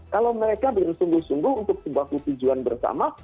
kalau mereka belum sungguh sungguh untuk sebuah tujuan bersama